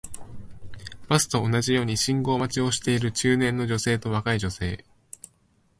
バスと同じように信号待ちをしている中年の女性と若い女性